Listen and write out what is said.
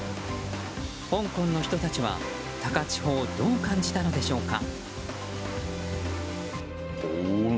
香港の人たちは高千穂をどう感じたのでしょうか。